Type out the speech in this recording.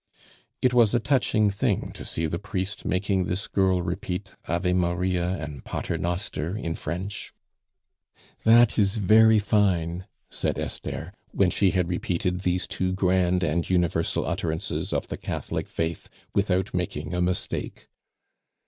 It was a touching thing to see the priest making this girl repeat Ave Maria and Paternoster in French. "That is very fine!" said Esther, when she had repeated these two grand and universal utterances of the Catholic faith without making a mistake.